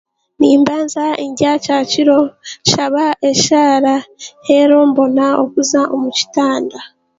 Nimbanza ndya kyakiro, nshaba eshaara reero mbona kuza omu kitanda